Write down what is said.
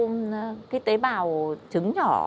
cái tế bào trứng nhỏ